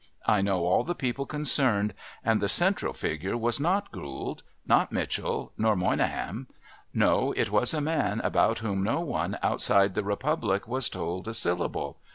I know all the people concerned, and the central figure was not Gould, nor Mitchell, nor Monyngham no, it was a man about whom no one outside the republic was told a syllable.